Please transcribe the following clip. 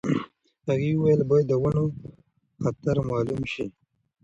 هغې وویل باید د ونو خطر مالوم شي.